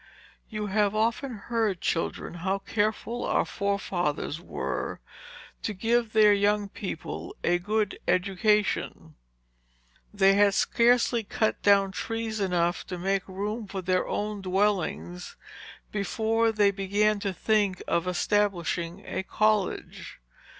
You have often heard, children, how careful our forefathers were, to give their young people a good education. They had scarcely cut down trees enough to make room for their own dwellings, before they began to think of establishing a college.